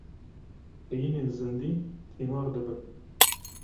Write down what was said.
Heyînên zindî, tîmar dibin.